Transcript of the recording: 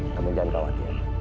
kamu jangan khawatir